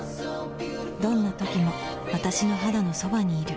どんな時も私の肌のそばにいる